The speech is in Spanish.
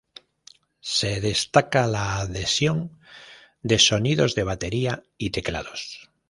Se destaca la adhesión de sonidos de batería y teclados.